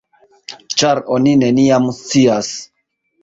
Ĉar oni neniam scias!